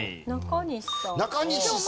中西さん。